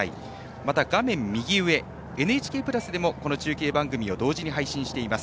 また画面右上「ＮＨＫプラス」でもこの中継番組を同時に配信しています。